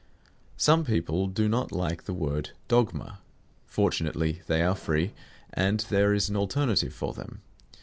Some people do not like the word "dogma." Fortunately they are free, and there is an alternative for them.